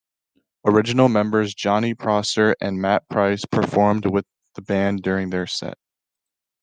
Original members Jonny Prosser and Matt Price performed with the band during their set.